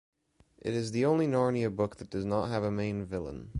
It is the only Narnia book that does not have a main villain.